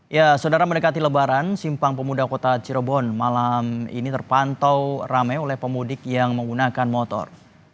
ya saudara mendekati lebaran simpang pemuda kota cirebon malam ini terpantau ramai oleh pemudik yang menggunakan motor